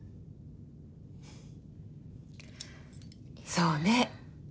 そうね。